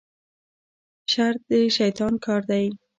شر د شیطان کار دی